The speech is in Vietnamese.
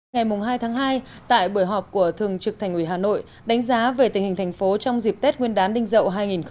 ngày hai tháng hai tại buổi họp của thường trực thành ủy hà nội đánh giá về tình hình thành phố trong dịp tết nguyên đán đinh dậu hai nghìn hai mươi